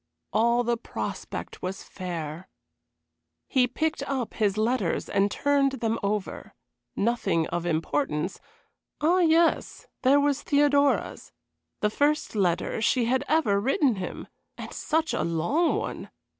All the prospect was fair. He picked up his letters and turned them over. Nothing of importance. Ah, yes! there was Theodora's. The first letter she had ever written him, and such a long one!